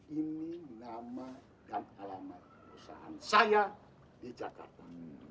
ini nama dan alamat perusahaan saya di jakarta